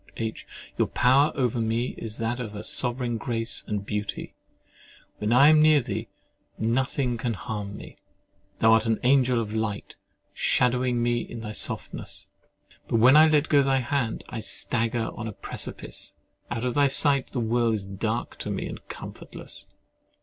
H. Your power over me is that of sovereign grace and beauty. When I am near thee, nothing can harm me. Thou art an angel of light, shadowing me with thy softness. But when I let go thy hand, I stagger on a precipice: out of thy sight the world is dark to me and comfortless.